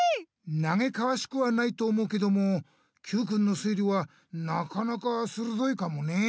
なげかわしくはないと思うけどもＱくんの推理はなかなかするどいかもね。